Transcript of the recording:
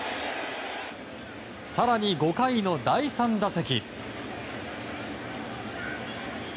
更に５回の第３打席。